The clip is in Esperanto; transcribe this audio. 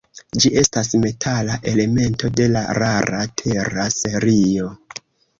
Ĝi estas metala elemento de la rara tera serio.